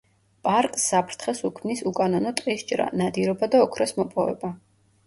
პარკს საფრთხეს უქმნის უკანონო ტყის ჭრა, ნადირობა და ოქროს მოპოვება.